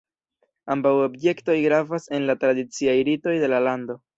Ambaŭ objektoj gravas en la tradiciaj ritoj de la lando.